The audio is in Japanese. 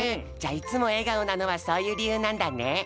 じゃあいつもえがおなのはそういうりゆうなんだね。